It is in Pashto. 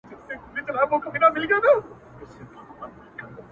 • چي پخوا به زه په کور کي ګرځېدمه ,